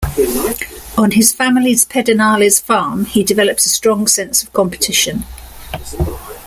On his family's Pedernales farm, he developed a strong sense of competition.